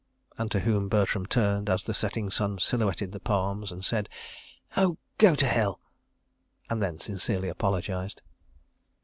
and to whom Bertram turned as the setting sun silhouetted the palms and said: "Oh, go to hell!" (and then sincerely apologised.)